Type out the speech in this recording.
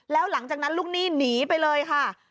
แล้วหลังจากนั้นลูกหนี้หนีไปเลยค่ะ